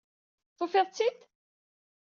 Tufid-tt-id?